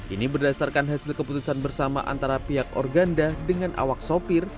ini berdasarkan hasil keputusan bersama antara pihak organda dengan awak sopir